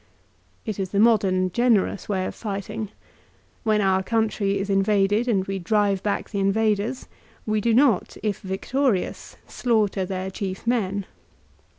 It is the modern, generous way of fighting. When our country is invaded and we drive back the invaders, we do not, if victorious, slaughter their chief men.